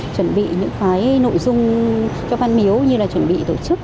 chuẩn bị những cái nội dung cho văn miếu như là chuẩn bị tổ chức